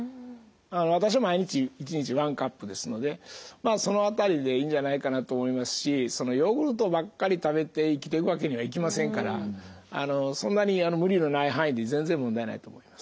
私は毎日１日１カップですのでその辺りでいいんじゃないかなと思いますしそのヨーグルトばっかり食べて生きていくわけにはいきませんからそんなに無理のない範囲で全然問題ないと思います。